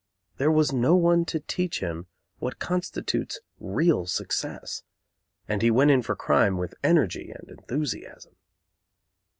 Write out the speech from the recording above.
There was no one to teach him what constitutes real success, and he went in for crime with energy and enthusiasm.